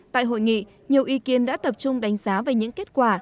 tại hội nghị nhiều ý kiến đã tập trung đánh giá về những kết quả